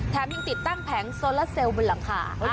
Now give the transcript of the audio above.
ยังติดตั้งแผงโซลาเซลล์บนหลังคา